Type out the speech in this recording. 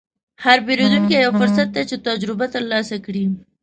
هر پیرودونکی یو فرصت دی چې تجربه ترلاسه کړې.